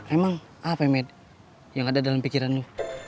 emang apa yang ada dalam pikiran lu